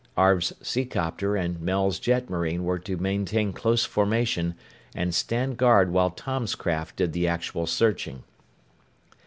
Arv's seacopter and Mel's jetmarine were to maintain close formation and stand guard while Tom's craft did the actual searching.